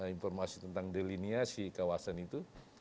informasi tentang deliniasi kawasan itu